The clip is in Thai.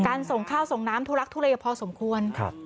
การส่งข้าวส่งน้ำทุลักษณ์ธุระยะพอสมควร